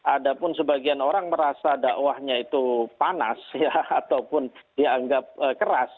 ada pun sebagian orang merasa dakwahnya itu panas ya ataupun dianggap keras